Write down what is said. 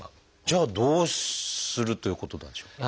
じゃあどうするということなんでしょう？